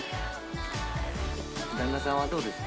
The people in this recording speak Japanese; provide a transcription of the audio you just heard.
旦那さんはどうですか？